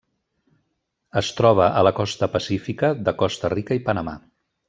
Es troba a la costa pacífica de Costa Rica i Panamà.